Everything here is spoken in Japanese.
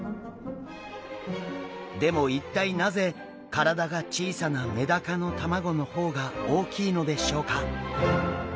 でも一体なぜ体が小さなメダカの卵の方が大きいのでしょうか？